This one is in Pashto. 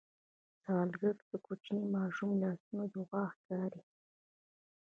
سوالګر ته د کوچني ماشوم لاسونه دعا ښکاري